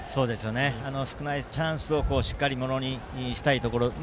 少ないチャンスをしっかりものにしたいところです。